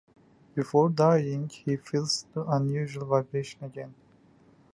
Before dying, he feels the unusual vibration again.